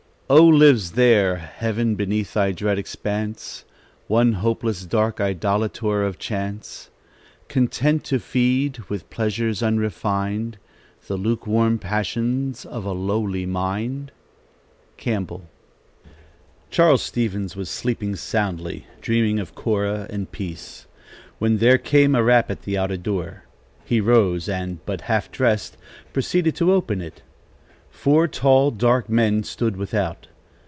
Oh! lives there, Heaven, beneath thy dread expanse, One hopeless, dark idolator of chance, Content to feed, with pleasures unrefined The lukewarm passions of a lowly mind? Campbell. Charles Stevens was sleeping soundly, dreaming of Cora and peace, when there came a rap at the outer door. He rose and, but half dressed, proceeded to open it. Four tall, dark men stood without.